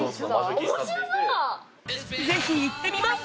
ぜひ行ってみます！